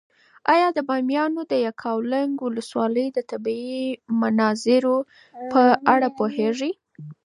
ایا د بامیانو د یکاولنګ ولسوالۍ د طبیعي مناظرو په اړه پوهېږې؟